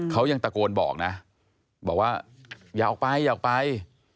เขายังตะโกนบอกนะบอกว่าอย่าออกไปอยากไป